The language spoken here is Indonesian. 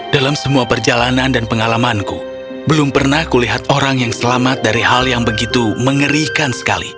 dalam semua perjalanan dan pengalamanku belum pernah kulihat orang yang selamat dari hal yang begitu mengerikan sekali